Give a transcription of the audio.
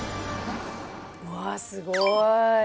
うわすごい。